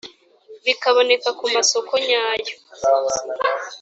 bikaboneka ku masoko nyayo